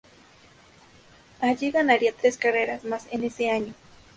Allí ganaría tres carreras más en ese año.